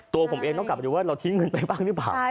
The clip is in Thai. ตัวผมเองต้องกลับไปดูว่าเราทิ้งเงินไปบ้างหรือเปล่า